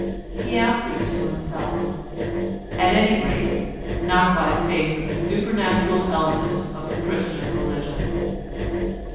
He answered to himself, "At any rate not by faith in the supernatural element of the Christian religion."